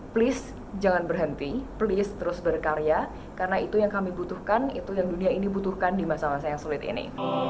please jangan berhenti please terus berkarya karena itu yang kami butuhkan itu yang dunia ini butuhkan di masa masa yang sulit ini